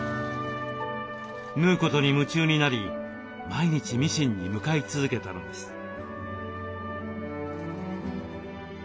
縫うことに夢中になり毎日ミシンに向かい続けたのです。